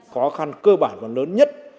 khó khăn cơ bản và lớn nhất